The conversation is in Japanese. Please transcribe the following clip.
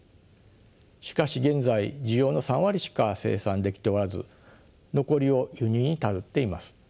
しかし現在需要の３割しか生産できておらず残りを輸入に頼っています。